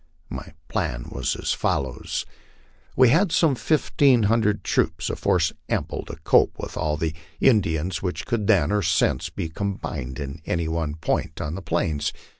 My plan was as follows : We had some fifteen hundred troops, a force ample to cope with all the Indians which could then, or since, be combined at any one point on the plains.